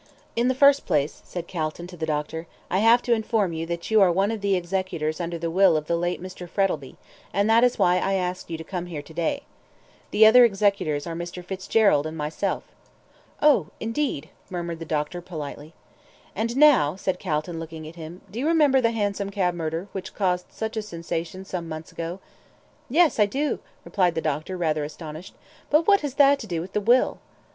"In the first place," said Calton to the doctor, "I have to inform you that you are one of the executors under the will of the late Mr. Frettlby, and that is why I asked you to come here to day. The other executors are Mr. Fitzgerald and myself." "Oh, indeed," murmured the doctor, politely. "And now," said Calton, looking at him, "do you remember the hansom cab murder, which caused such a sensation some months ago?" "Yes, I do," replied the doctor, rather astonished; "but what has that to do with the will?"